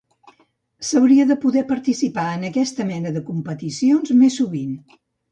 S'hauria de poder participar en aquesta mena de competicions més sovint.